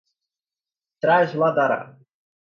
trasladará